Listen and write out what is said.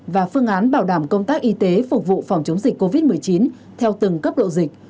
và phương án bảo đảm công tác y tế phục vụ phòng chống dịch covid một mươi chín theo từng cấp độ dịch